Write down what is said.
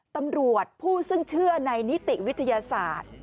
ตำรวจผู้ซึ่งเชื่อในนิติวิทยาศาสตร์